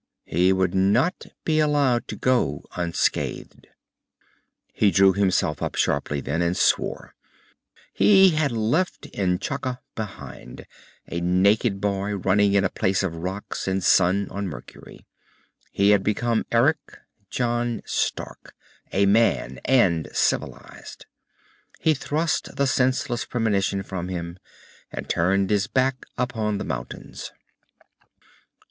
He would not be allowed to go unscathed. He drew himself up sharply then, and swore. He had left N'Chaka behind, a naked boy running in a place of rocks and sun on Mercury. He had become Eric John Stark, a man, and civilized. He thrust the senseless premonition from him, and turned his back upon the mountains.